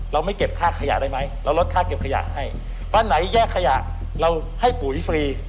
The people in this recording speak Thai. เราลดค่าเก็บขยะให้บ้านไหนแยกขยะเราให้ปุ๋ยฟรี